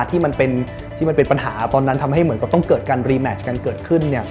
ที่มันเป็นที่มันเป็นปัญหาตอนนั้นทำให้เหมือนกับต้องเกิดการรีแมชกันเกิดขึ้น